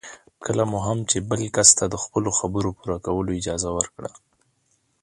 کله مو هم چې بل کس ته د خپلو خبرو پوره کولو اجازه ورکړه.